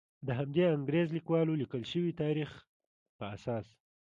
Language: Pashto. د همدې انګریز لیکوالو لیکل شوي تاریخ په اساس.